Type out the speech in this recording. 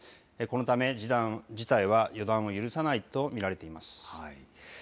このため、事態は予断を許さないと見られています。